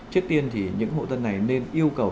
trước tiên thì những hộ dân này nên yêu cầu